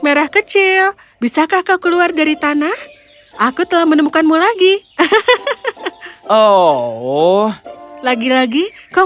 merah kecil bisakah kau keluar dari tanah aku telah menemukanmu lagi hahaha oh lagi lagi kau